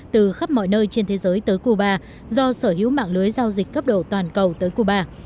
từ khắp mọi nơi trên thế giới tới cuba do sở hữu mạng lưới giao dịch cấp độ toàn cầu tới cuba